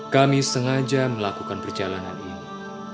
kami sengaja melakukan perjalanan ini